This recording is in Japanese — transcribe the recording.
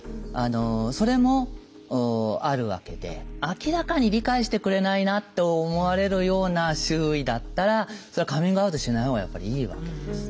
それもあるわけで明らかに理解してくれないなと思われるような周囲だったらそれはカミングアウトしないほうがやっぱりいいわけです。